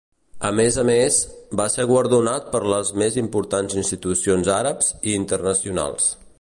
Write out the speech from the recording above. A més a més, va ser guardonat per les més importants institucions àrabs i internacionals.